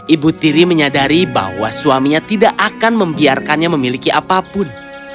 ibu tiri menyadari bahwa suaminya tidak akan membiarkannya memiliki apapun